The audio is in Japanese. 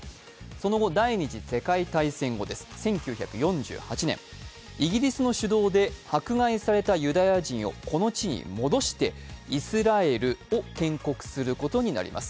その後、第二次世界大戦後、１９４８年、イギリスの主導で、迫害されたユダヤ人をこの地に戻してイスラエルを建国することになります。